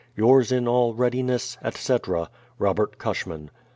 Yours in all readiness, etc., ROBERT CUSHMAN.